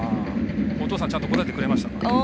お父さんちゃんと答えてくれましたか。